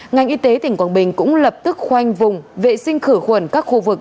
ngành y tế tỉnh quảng bình cũng lập tức khoanh vùng vệ sinh khử khuẩn các khu vực